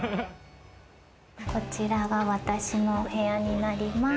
こちらは私のお部屋になります。